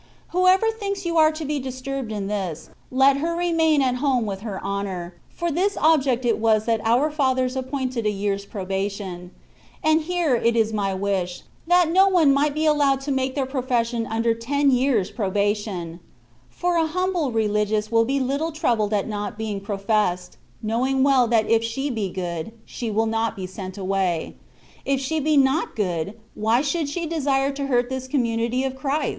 Whoever thinks you are to be disturbed in this, let her remain at home with her honour, for this object it was that our Fathers appointed a year's probation, and here it is my wish, that no one might be allowed to make their profession under ten years' probation ; for an humble Religious will be little troubled at not being " professed,'' knowing well that if she be good, she will not be sent away ; if she be not good, why should she desire to hurt this commu nity of Christ